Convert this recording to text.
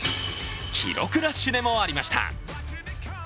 記録ラッシュでもありました。